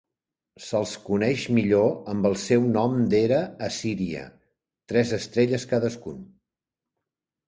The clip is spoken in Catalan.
Se'ls coneix millor amb el seu nom d'era assíria "Tres estrelles cadascun".